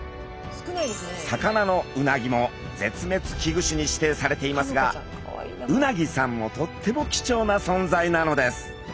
魚のうなぎも絶滅危惧種に指定されていますが鰻さんもとっても貴重な存在なのです。